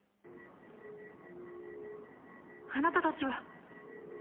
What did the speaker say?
あなたたちは！